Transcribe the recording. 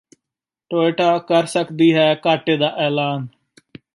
Toyota ਕਰ ਸਕਦੀ ਹੈ ਘਾਟੇ ਦਾ ਐਲਾਨ